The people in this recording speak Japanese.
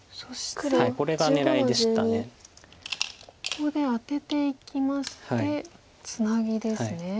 ここでアテていきましてツナギですね。